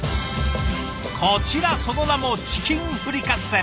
こちらその名もチキンフリカッセ。